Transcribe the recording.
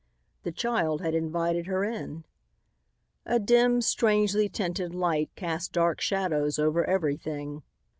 The child had invited her in. A dim, strangely tinted light cast dark shadows over everything.